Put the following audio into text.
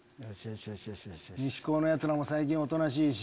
ニシ高の奴らも最近おとなしいし。